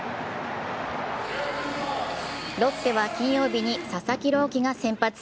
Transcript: ロッテは金曜日に佐々木朗希が先発。